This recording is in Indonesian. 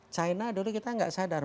china dulu kita nggak sadar